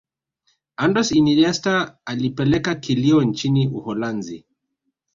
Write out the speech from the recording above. andres iniesta alipeleka kilio nchini Uholanzi